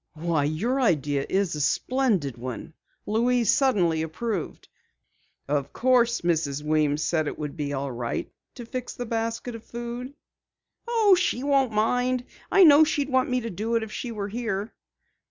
"Why, your idea is a splendid one!" Louise suddenly approved. "Of course Mrs. Weems said it would be all right to fix the basket of food?" "Oh, she won't mind. I know she would want me to do it if she were here."